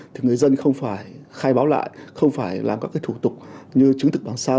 thì người dân không phải khai báo lại không phải làm các thủ tục như chứng thực bằng sao